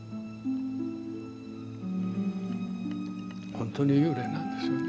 本当に幽霊なんですよね？